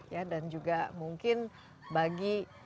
ya dan juga mungkin bagi